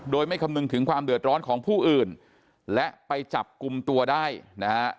โดยไม่คำนึงถึงความเดือดร้อนของผู้อื่นและไปจับกลุ่มตัวได้นะฮะ